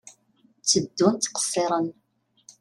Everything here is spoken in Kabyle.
Tteddun ttqesiren.